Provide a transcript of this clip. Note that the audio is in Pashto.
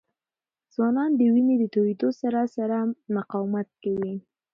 ځوانان د وینې د تویېدو سره سره مقاومت کوي.